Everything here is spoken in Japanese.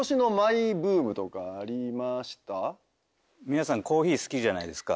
皆さんコーヒー好きじゃないですか。